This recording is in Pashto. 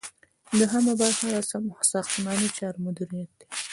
دوهم برخه د ساختماني چارو مدیریت دی.